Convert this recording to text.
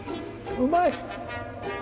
うまい！